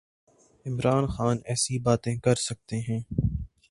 عمران خان ایسی باتیں کر سکتے ہیں۔